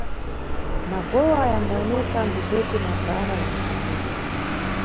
Magowa yambawoneka mʼmphepete mwa bhara la Mosambiki.